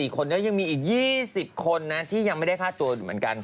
คนก็ยังมีอีก๒๐คนนะที่ยังไม่ได้ฆ่าตัวอยู่เหมือนกัน